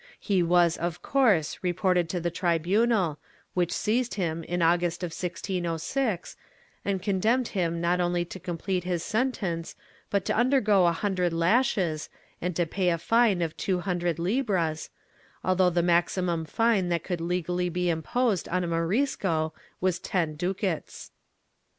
He was, of course, reported to the tribunal, which seized him in August, 1606, and condemned him not only to complete his sentence but to undergo a hundred lashes and to pay a fine of two hundred hbras, although the maximum fine that could legally be imposed on a Morisco was ten ducats.